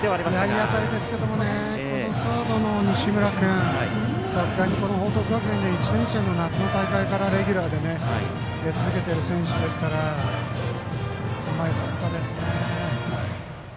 いい当たりですけどサードの西村君、さすがに報徳学園の１年生の夏の大会からレギュラーで出続けている選手ですからうまかったですね。